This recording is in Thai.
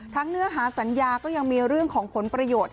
เนื้อหาสัญญาก็ยังมีเรื่องของผลประโยชน์